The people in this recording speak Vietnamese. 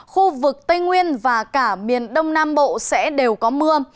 khu vực tây nguyên và cả miền đông nam bộ sẽ đều có mưa